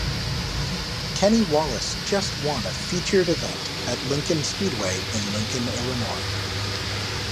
Kenny Wallace just won a featured event at Lincoln Speedway in Lincoln, Illinois.